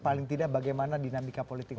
paling tidak bagaimana dinamika politik